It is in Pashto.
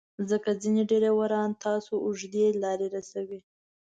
ځکه ځینې ډریوران تاسو اوږدې لارې رسوي.